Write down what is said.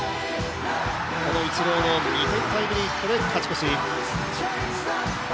このイチローの２点タイムリーヒットで勝ち越し。